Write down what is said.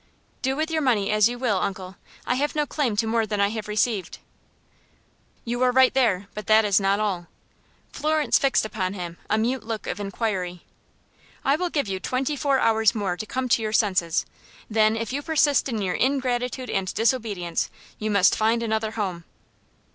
"Do with your money as you will, uncle. I have no claim to more than I have received." "You are right there; but that is not all." Florence fixed upon him a mute look of inquiry. "I will give you twenty four hours more to come to your senses. Then, if you persist in your ingratitude and disobedience, you must find another home."